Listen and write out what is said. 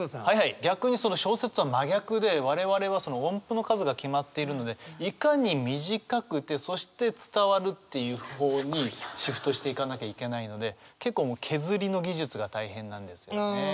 逆にその小説とは真逆で我々はその音符の数が決まっているのでいかに短くてそして伝わるっていう方にシフトしていかなきゃいけないので結構削りの技術が大変なんですよね。